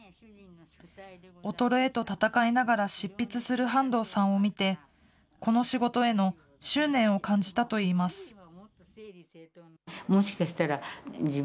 衰えと闘いながら執筆する半藤さんを見て、この仕事への執念を感じたといいます。